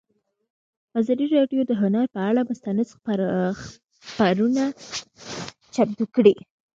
ازادي راډیو د هنر پر اړه مستند خپرونه چمتو کړې.